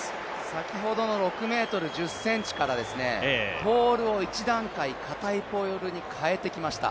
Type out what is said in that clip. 先ほどの６ｍ１０ｃｍからポールを一段階かたいポールに変えてきました。